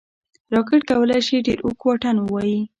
راکټ کولی شي ډېر اوږد واټن ووايي